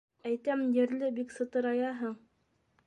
Әйтәм ерле бик сытыраяһың.